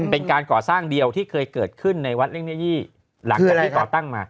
เป็นการก่อสร้างเดียวที่เคยเกิดขึ้นในวัดเล่งเนื้อยี่หลังจากที่ก่อตั้งมา